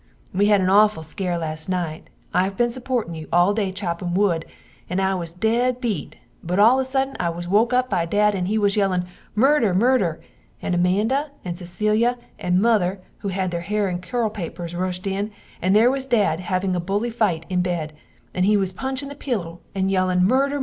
We had an auful scare last nite I had been suportin you all day by choppin wood and I was dead beet but all of a suddin I was woke up by dad and he was yellin Murder! Murder! and Amanda and Cecilia and Mother who had her hare in curl papers rushd in, and there was dad having a buly fite in bed, and he was punchin the pilo, and yellin Murder!